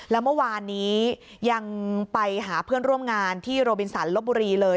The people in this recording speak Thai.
แล้วเมื่อวานนี้ยังไปหาเพื่อนร่วมงานที่โรบินสันลบบุรีเลย